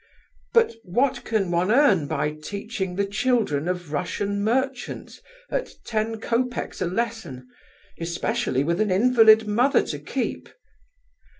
But what can one earn by teaching the children of Russian merchants at ten copecks a lesson, especially with an invalid mother to keep?